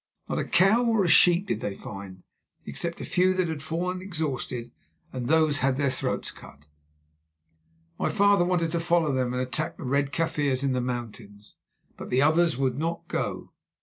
Not a cow or a sheep did they find, except a few that had fallen exhausted, and those had their throats cut. My father wanted to follow them and attack the Red Kaffirs in the mountains, but the others would not go.